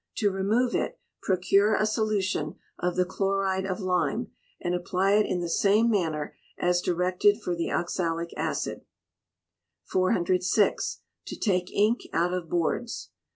To remove it, procure a solution of the chloride of lime, and apply it in the same manner as directed for the oxalic acid. 406. To take Ink out of Boards.